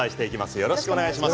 よろしくお願いします。